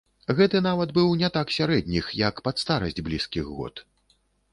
Гэты нават быў не так сярэдніх, як пад старасць блізкіх год.